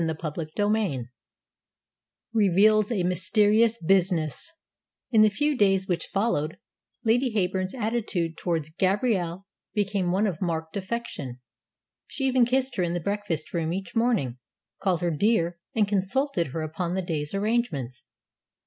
CHAPTER IX REVEALS A MYSTERIOUS BUSINESS In the few days which followed, Lady Heyburn's attitude towards Gabrielle became one of marked affection. She even kissed her in the breakfast room each morning, called her "dear," and consulted her upon the day's arrangements.